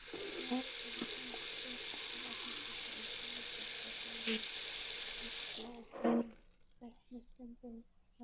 মায়ের গন্ধ মেখে তাঁর বাহুতে তুলতুলে ছোট্ট শরীর নিয়ে নিশ্চিন্তে ঘুমানোর কথা।